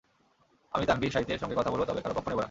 আমি তানভির সাইতের সঙ্গে কথা বলব, তবে কারও পক্ষ নেব না।